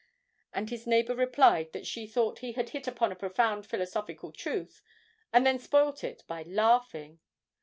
And his neighbour replied that she thought he had hit upon a profound philosophical truth, and then spoilt it by laughing.